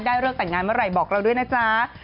เลิกแต่งงานเมื่อไหร่บอกเราด้วยนะจ๊ะ